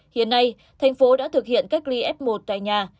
hiện nay thành phố đã thực hiện cách ly f một tại nhà